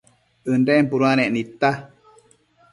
ënden puduanec nidta